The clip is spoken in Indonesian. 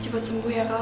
cepet sembuh ya kau